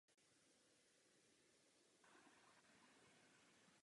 Zakrátko po vydání spáchal sebevraždu.